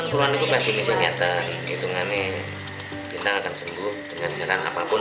hingga sekarang bintang akan sembuh dengan jarak apapun